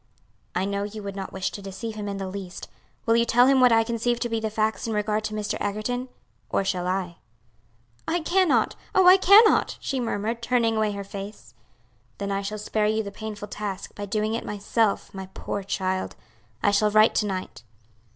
"I know you would not wish to deceive him in the least. Will you tell him what I conceive to be the facts in regard to Mr. Egerton? or shall I?" "I cannot, oh, I cannot!" she murmured, turning away her face. "Then I shall spare you the painful task, by, doing it myself, my poor child. I shall write to night."